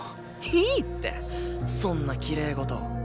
いいってそんなきれい事。